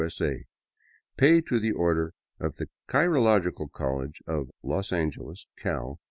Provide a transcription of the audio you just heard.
S. A. Pay to the order of the Chirological College of Los Angeles, Cal.